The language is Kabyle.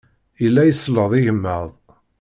Yella iselleḍ igmaḍ.